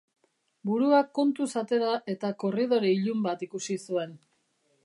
Burua kontuz atera eta korridore ilun bat ikusi zuen.